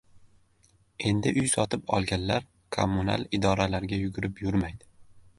Endi uy sotib olganlar kommunal idoralarga yugurib yurmaydi